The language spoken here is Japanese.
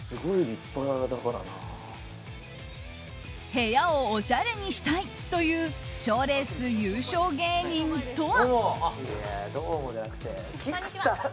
部屋をおしゃれにしたいという賞レース優勝芸人とは。